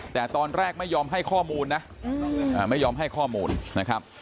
แต่ตอนแรกไม่ยอมให้ข้อมูลนะไม่ยอมให้ข้อมูลนะครับ